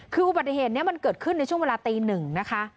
คืออุบัติเหตุนี้มันเกิดขึ้นในช่วงเวลาตีหนึ่งนะคะ